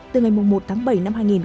từ ngày một bảy hai nghìn hai mươi bốn